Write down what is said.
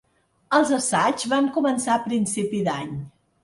Els assaigs van començar a principi d’any.